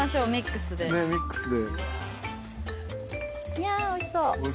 いやおいしそう。